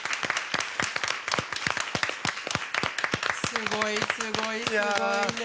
すごいすごいすごいね！